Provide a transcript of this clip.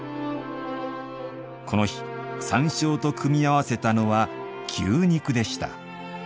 この日、山椒と組み合わせたのは牛肉でした。